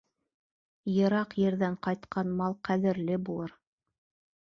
Йыраҡ ерҙән ҡайтҡан мал ҡәҙерле булыр.